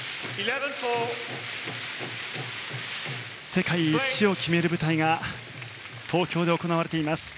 世界一を決める舞台が東京で行われています。